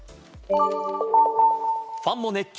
ファンも熱狂！